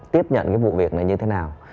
tiếp nhận cái vụ việc này như thế nào